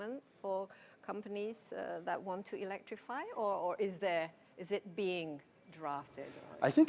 untuk perusahaan yang ingin mengaktifkan elektrik